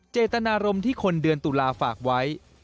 เจตนารมณ์ที่คนเดือนตุลาฝากไว้